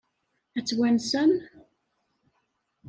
Ad tt-wansen?